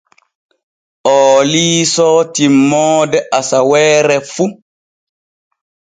Oo liisoo timmoode asaweere fu.